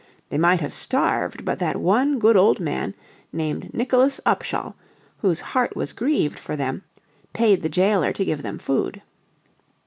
They might have starved but that one good old man named Nicholas Upshal, whose heart was grieved for them, paid the gaoler to give them food.